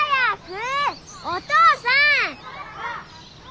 お父さん！